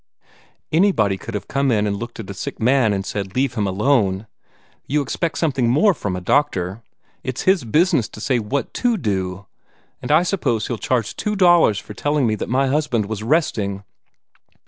"Anybody could have come in and looked at a sick man and said, 'Leave him alone.' You expect something more from a doctor. It's his business to say what to do. And I suppose he'll charge two dollars for just telling me that my husband was resting!"